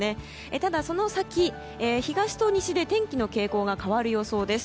ただ、その先東と西で天気の傾向が変わる予想です。